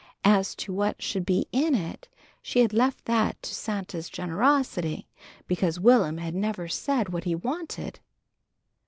As to what should be in it, she had left that to Santa's generosity, because Will'm had never said what he wanted.